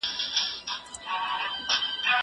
زه اوږده وخت مينه څرګندوم وم؟!